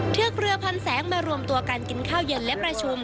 เทือกเรือพันแสงมารวมตัวกันกินข้าวเย็นและประชุม